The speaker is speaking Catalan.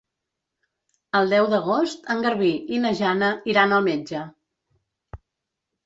El deu d'agost en Garbí i na Jana iran al metge.